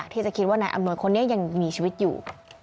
ที่จะคิดว่านายอำนวยคนนี้ยังมีชีวิตอยู่